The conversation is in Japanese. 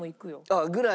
ああぐらい。